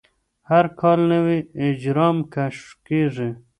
هر کال نوي اجرام کشف کېږي.